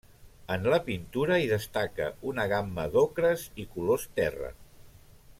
En la pintura hi destaca una gamma d'ocres i colors terra.